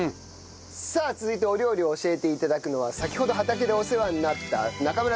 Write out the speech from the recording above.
さあ続いてお料理を教えて頂くのは先ほど畑でお世話になった中村悟司さんの奥様です。